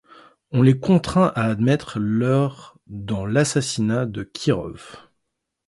On les contraint à admettre leur dans l'assassinat de Kirov.